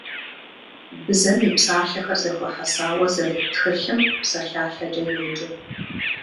Бзэм и псалъэхэр зэхуэхьэсауэ зэрыт тхылъым псалъалъэкӏэ йоджэ.